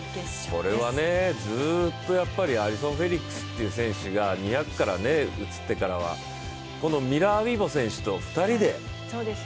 これはずっとアリソン・フェリックスという選手が２００から移ってからはミラー・ウイボ選手と２人で。